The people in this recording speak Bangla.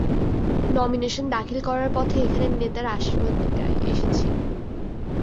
নমিনেশন দাখিল করার পথে, এখানে নেতার আশির্বাদ নিতে এসেছি।